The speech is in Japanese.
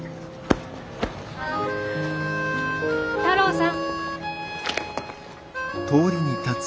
太郎さん。